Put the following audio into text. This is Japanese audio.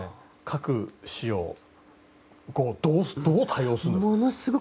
核使用後どう対応するんですか。